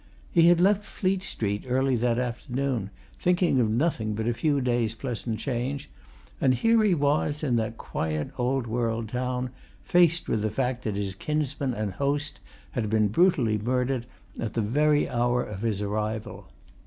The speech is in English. He had left Fleet Street early that afternoon, thinking of nothing but a few days' pleasant change, and here he was, in that quiet, old world town, faced with the fact that his kinsman and host had been brutally murdered at the very hour of his arrival.